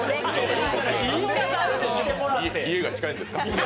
家が近いんですか？